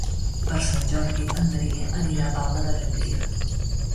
Per Sant Jordi en Maria anirà a Palma de Gandia.